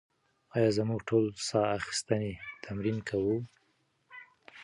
ایا موږ ټول ساه اخیستنې تمرین کوو؟